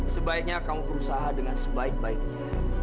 sebaiknya kamu berusaha dengan sebaik baiknya